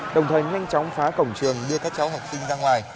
đồng thời nhanh chóng phá cổng trường đưa các cháu học sinh ra ngoài